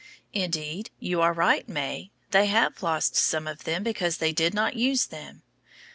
Indeed, you are right, May; they have lost them because they did not use them.